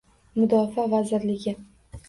Mudofaa vazirligi